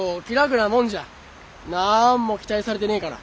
なんも期待されてねえから。